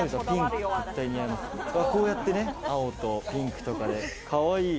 こうやって青とピンクとかで、かわいい。